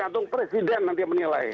tergantung presiden nanti yang menilai